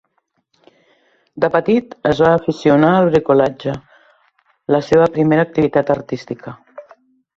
De petit es va aficionar al "bricolatge", al seva primera activitat artística.